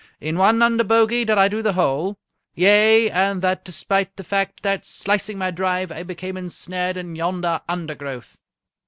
In one under bogey did I do the hole yea, and that despite the fact that, slicing my drive, I became ensnared in yonder undergrowth."